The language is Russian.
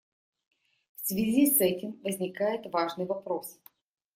В связи с этим возникает важный вопрос.